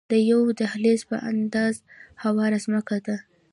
د یوه دهلیز په اندازه هواره ځمکه ده.